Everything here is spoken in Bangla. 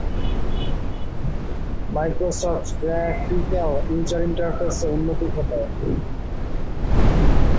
মাইক্রোসফট গ্রাফিক্যাল ইউজার ইন্টারফেস-এ উন্নতি ঘটায়।